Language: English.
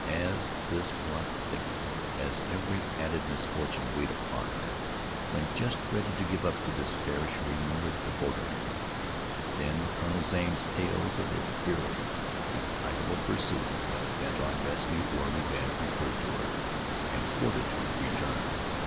As this plot thickened, as every added misfortune weighed upon her, when just ready to give up to despair she remembered the bordermen. Then Colonel Zane's tales of their fearless, implacable pursuit when bent on rescue or revenge, recurred to her, and fortitude returned.